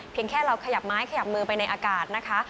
แค่เราขยับไม้ขยับมือไปในอากาศนะคะ